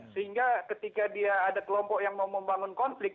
sehingga ketika dia ada kelompok yang mau membangun konflik